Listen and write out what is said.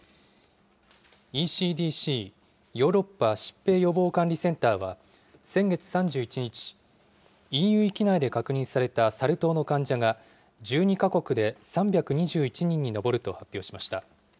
ＥＣＤＣ・ヨーロッパ疾病予防管理センターは、先月３１日、ＥＵ域内で確認されたサル痘の患者が、１２か国で３２１人に上ると発表しました。